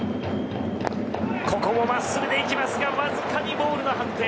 ここもまっすぐですがわずかにボールの判定。